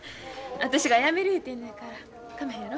私がやめる言うてんのやからかまへんやろ。